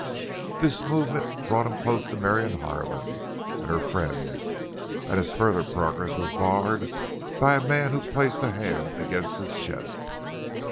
This movement brought him close to Marion Harlan and her friends, and his further progress was barred by a man who placed a hand against his chest.